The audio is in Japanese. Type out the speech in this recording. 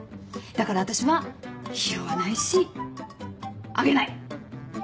だから私は拾わないしあげない。